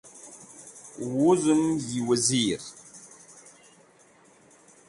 Wuzem yi Wazir.